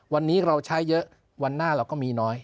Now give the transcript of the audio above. วันนี้เราใช้เยอะวันหน้าเราก็มีน้อย